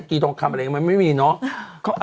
กีดองคำอะไรอย่างนั้นมันไม่มีเนาะ